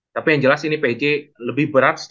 tapi yang jelas ini pj lebih berat